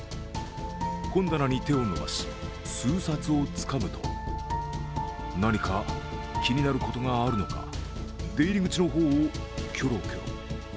本棚に手を伸ばし、数冊をつかむと何か気になることがあるのか出入り口の方をキョロキョロ。